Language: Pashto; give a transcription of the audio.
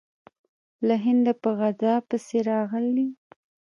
له هنده په غزا پسې راغلی.